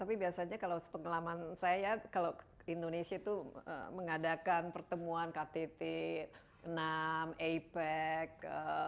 tapi biasanya kalau sepengelaman saya ya kalau indonesia itu mengadakan pertemuan ktt nam apec